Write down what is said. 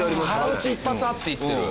打ち一発あっていってる。